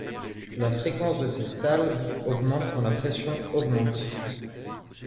La fréquence de ces salves augmente quand la pression augmente.